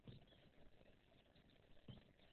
بیا په هماغه لاره الاقصی جومات ته ننوتل.